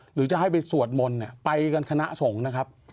หรือจะให้ไปสวดมนต์ไปกันคณะสงฆ์นะครับ